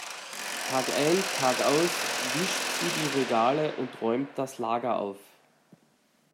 Tagein tagaus wischt sie die Regale und räumt das Lager auf.